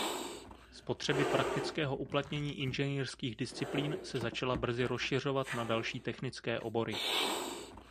Z potřeby praktického uplatnění inženýrských disciplín se začala brzy rozšiřovat na další technické obory.